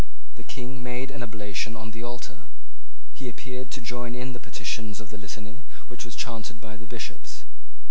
The King made an oblation on the altar. He appeared to join in the petitions of the Litany which was chaunted by the Bishops.